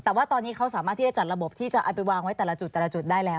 แต่ว่าตอนนี้เขาสามารถที่จะจัดระบบที่จะเอาไปวางไว้แต่ละจุดแต่ละจุดได้แล้ว